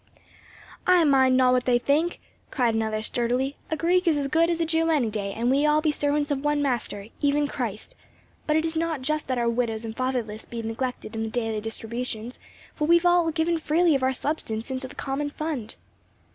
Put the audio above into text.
"I mind not what they think;" cried another sturdily, "a Greek is as good as a Jew any day, and we be all servants of one Master, even Christ; but it is not just that our widows and fatherless be neglected in the daily distributions, for we have all given freely of our substance into the common fund."